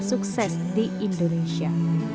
sukses di indonesia